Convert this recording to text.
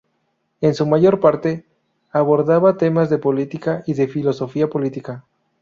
En su mayor parte, abordaba temas de política y de filosofía política.